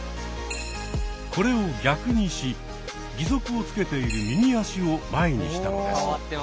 これを逆にし義足をつけている右足を前にしたのです。